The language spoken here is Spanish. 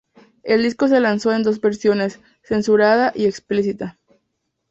El disco se lanzó en dos versiones: censurada y explícita.